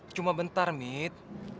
cuma bentar mit